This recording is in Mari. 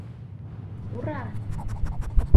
Ура!..